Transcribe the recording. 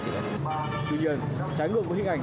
tuy nhiên trái ngược của hình ảnh